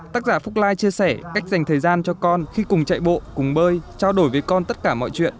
tác giả phúc lai chia sẻ cách dành thời gian cho con khi cùng chạy bộ cùng bơi trao đổi với con tất cả mọi chuyện